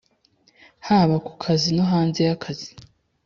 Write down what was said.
haba ku kazi no hanze y’akazi.